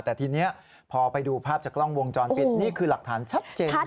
แต่ทีนี้พอไปดูภาพจากกล้องวงจรปิดนี่คือหลักฐานชัดเจน